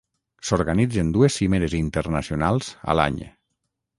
S’organitzen dues cimeres internacionals a l’any.